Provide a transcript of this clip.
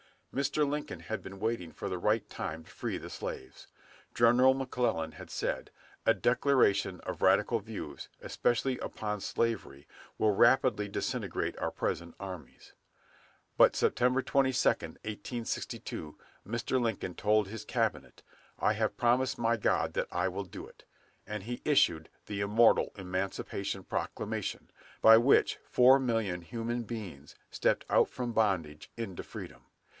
Mr. Lincoln had been waiting for the right time to free the slaves. General McClellan had said, "A declaration of radical views, especially upon slavery, will rapidly disintegrate our present armies"; but Sept. 22, 1862, Mr. Lincoln told his Cabinet, "I have promised my God that I will do it"; and he issued the immortal Emancipation Proclamation, by which four million human beings stepped out from bondage into freedom.